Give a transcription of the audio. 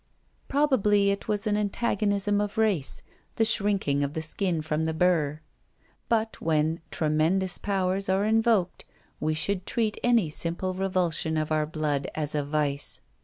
Probably it was an antagonism of race, the shrinking of the skin from the burr. But when Tremendous Powers are invoked, we should treat any simple revulsion of our blood as a vice.